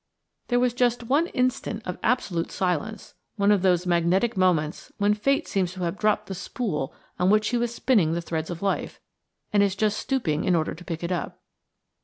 There was just one instant of absolute silence, one of those magnetic moments when Fate seems to have dropped the spool on which she was spinning the threads of a life, and is just stooping in order to pick it up.